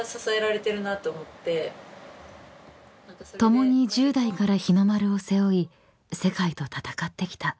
［共に１０代から日の丸を背負い世界と戦ってきた］